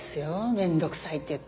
「面倒くさい」って言って。